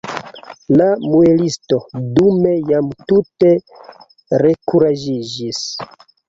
La muelisto dume jam tute rekuraĝiĝis.